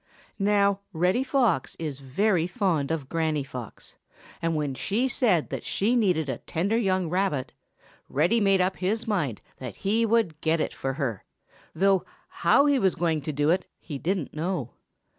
Now, Reddy Fox is very fond of Granny Fox, and when she said that she needed a tender young rabbit, Reddy made up his mind that he would get it for her, though how he was going to do it he didn't know.